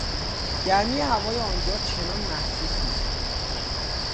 گرمی هوای آنجا چندان محسوس نیست